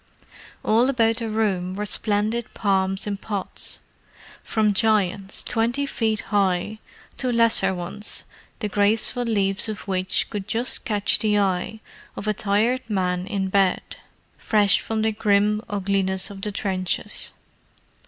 All about the room were splendid palms in pots; from giants twenty feet high, to lesser ones the graceful leaves of which could just catch the eye of a tired man in bed—fresh from the grim ugliness of the trenches.